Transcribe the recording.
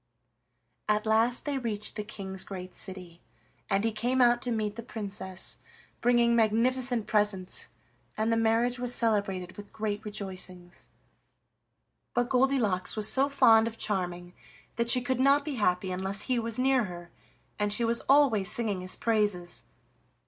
At last they reached the King's great city, and he came out to meet the Princess, bringing magnificent presents, and the marriage was celebrated with great rejoicings. But Goldilocks was so fond of Charming that she could not be happy unless he was near her, and she was always singing his praises.